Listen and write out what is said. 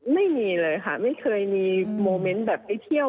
ไม่มีเลยค่ะไม่เคยมีโมเมนต์แบบไปเที่ยว